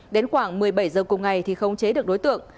đến khoảng một mươi bảy h cùng ngày thì không chế được đối tượng